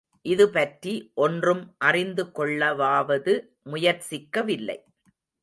இதுபற்றி ஒன்றும் அறிந்து கொள்ளவாவது முயற்சிக்கவில்லை.